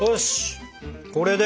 これで？